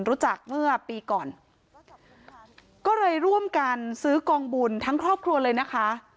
รู้จักเมื่อปีก่อนก็เลยร่วมกันซื้อกองบุญทั้งครอบครัวเลยนะคะ